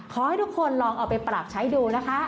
ขอให้ทุกคนลองเอาไปปรับใช้ดูนะคะ